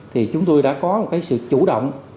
vì vậy chúng tôi đã có một sự chủ động